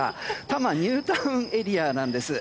多摩ニュータウンエリアなんです。